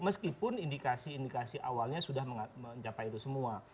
meskipun indikasi indikasi awalnya sudah mencapai itu semua